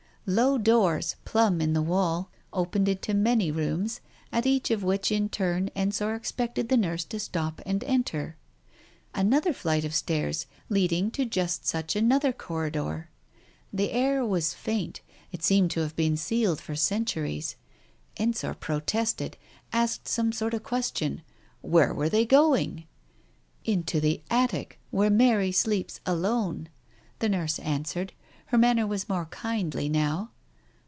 Low doors, plumb in the wall, opened into many rooms, at each of which in turn Ensor expected the nurse to stop and enter. Another flight of stairs, leading to just such another corridor ! The air was faint, it seemed to have been sealed for centuries. ... Ensor protested ... asked some sort of question. ... "Where were they going?" "Into the attic, where Mary sleeps alone," the nurse answered. Her manner was more kindly now.